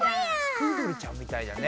プードルちゃんみたいだね。